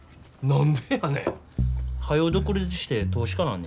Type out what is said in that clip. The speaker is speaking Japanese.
何でやねん。